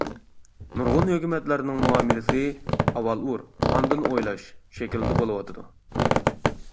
نۇرغۇن ھۆكۈمەتلەرنىڭ مۇئامىلىسى «ئاۋۋال ئۇر، ئاندىن ئويلاش» شەكىلدە بولۇۋاتىدۇ.